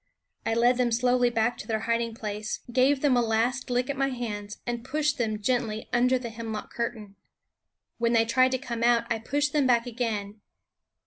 I led them slowly back to their hiding place, gave them a last lick at my hands, and pushed them gently under the hemlock curtain. When they tried to come out I pushed them back again.